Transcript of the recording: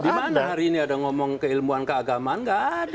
gimana hari ini ada ngomong keilmuan keagamaan nggak ada